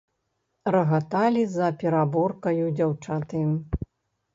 Рагаталі за пераборкаю дзяўчаты.